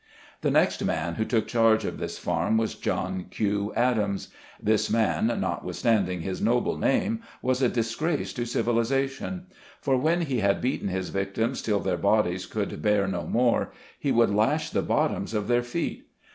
The next man who took charge of this farm was John Q. Adams. This man (notwithstanding his noble name) was a disgrace to civilization ; for when he had beaten his victims till their bodies could bear no more, he would lash the bottoms of their feet.